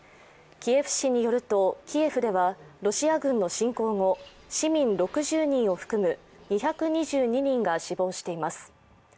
キエフ市によるとキエフではロシア軍の侵攻後、市民６０人を含む２２２人が死亡しています。